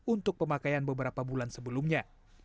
untuk pemakaian beberapa bulan sebelumnya